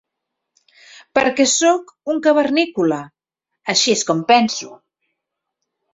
Perquè sóc un cavernícola, així és com penso.